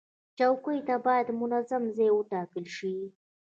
چوکۍ ته باید منظم ځای وټاکل شي.